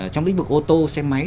trong lĩnh vực ô tô xe máy